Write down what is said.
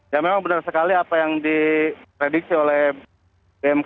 ya memang benar sekali apa yang diprediksi oleh bmkg bahwa hari ini dan esok